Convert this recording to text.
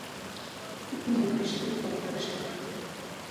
Күпме йүгерештек, баҫтырыштыҡ.